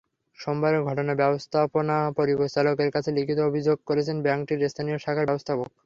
সোমবারের ঘটনায় ব্যবস্থাপনা পরিচালকের কাছে লিখিত অভিযোগ করেছেন ব্যাংকটির স্থানীয় শাখার ব্যবস্থাপক।